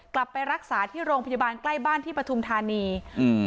กลับไปรักษาที่โรงพยาบาลใกล้บ้านที่ปฐุมธานีอืม